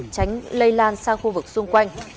tránh lây lan sang khu vực xung quanh